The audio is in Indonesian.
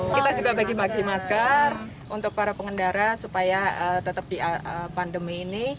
kita juga bagi bagi masker untuk para pengendara supaya tetap di pandemi ini